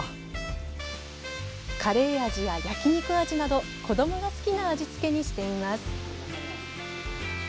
カレー味や焼き肉味など子どもが好きな味付けにしています。